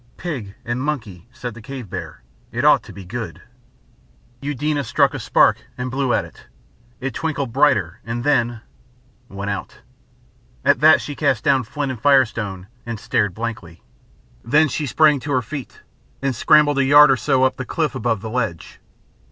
"Pig and monkey," said the cave bear. "It ought to be good." Eudena struck a spark and blew at it; it twinkled brighter and then went out. At that she cast down flint and firestone and stared blankly. Then she sprang to her feet and scrambled a yard or so up the cliff above the ledge.